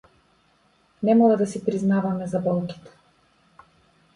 Не мора да си признаваме за болките.